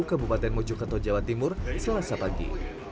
kebupaten mojukato jawa timur selasa pagi